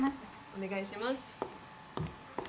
お願いします。